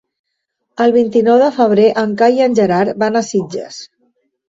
El vint-i-nou de febrer en Cai i en Gerard van a Sitges.